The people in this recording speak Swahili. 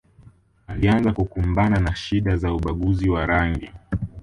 Alianza kukumbana na shida ya ubaguzi wa rangi